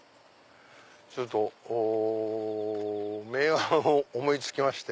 ちょっと名案を思い付きまして。